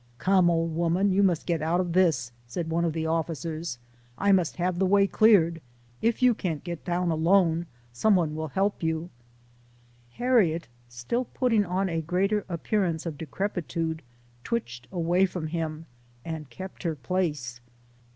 " Come, old woman, you must get out of this," said one of the officers ;" I must have the way cleared ; if you can't get down alone, some one will help you." Harriet, still putting on a greater appearance of decrepitude, twitched away from him, and kept her place.